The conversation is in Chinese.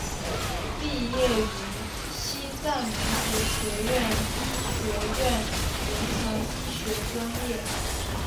毕业于西藏民族学院医学院临床医学专业。